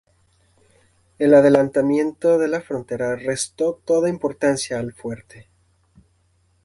El adelantamiento de la frontera restó toda importancia al fuerte.